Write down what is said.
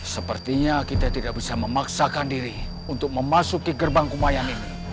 sepertinya kita tidak bisa memaksakan diri untuk memasuki gerbang kumayan ini